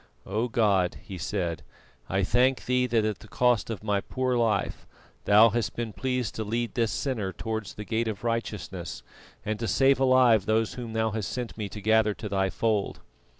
"O God," he said, "I thank Thee that at the cost of my poor life Thou hast been pleased to lead this sinner towards the Gate of Righteousness, and to save alive those whom Thou hast sent me to gather to Thy Fold."